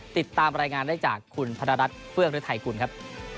ติดตามรายงานได้จากคุณพันธรรมรัฐเฟือกฤทธิ์ไทยกลุ่นครับ